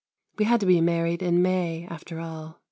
We had to be married in May, after all.